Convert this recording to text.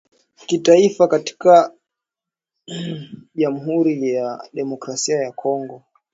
kitaifa katika Jamhuri ya Kidemokrasia ya Kongo